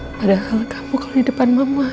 padahal kamu kalau di depan mama